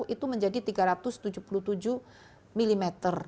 itu menjadi tiga ratus tujuh puluh tujuh mm